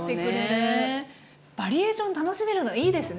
バリエーション楽しめるのいいですね。